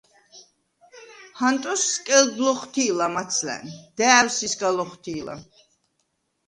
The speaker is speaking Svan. ჰანტოს სკელდ ლოხვთი̄ლა მაცლა̈ნ. და̄̈ვსი̄ სგა ლოხვთი̄ლა.